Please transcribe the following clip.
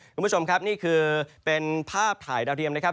คุณผู้ชมครับนี่คือเป็นภาพถ่ายดาวเทียมนะครับ